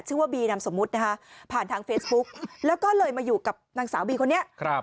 ว่าบีนามสมมุตินะคะผ่านทางเฟซบุ๊กแล้วก็เลยมาอยู่กับนางสาวบีคนนี้ครับ